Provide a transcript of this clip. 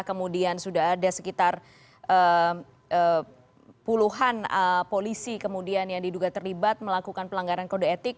kemudian sudah ada sekitar puluhan polisi kemudian yang diduga terlibat melakukan pelanggaran kode etik